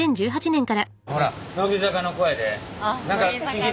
ほら乃木坂の子やで。